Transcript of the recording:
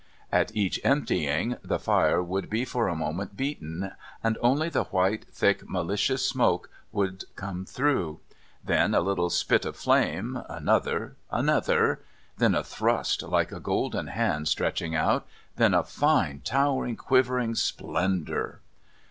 At each emptying the fire would be for a moment beaten, and only the white, thick, malicious smoke would come through; then a little spit of flame, another, another; then a thrust like a golden hand stretching out; then a fine, towering, quivering splendour.